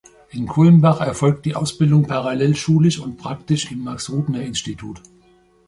In Kulmbach erfolgt die Ausbildung parallel schulisch und praktisch im Max-Rubner-Institut.